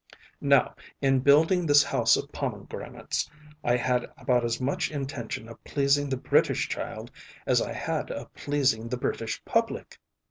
Now, in building this House of Pomegranates, I had about as much intention of pleasing the British child as I had of pleasing the British public.